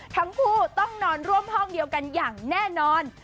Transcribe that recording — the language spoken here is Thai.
ทั้งคู่ต้องนอนร่วมห้องเดียวกันอย่างแน่นอน